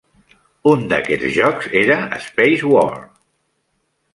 Un d'aquests jocs era Spacewar!